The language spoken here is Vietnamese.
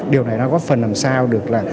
điều này nó có phần làm sao được là